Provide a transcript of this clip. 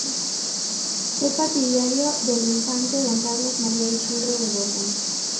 Fue partidario del infante don Carlos María Isidro de Borbón.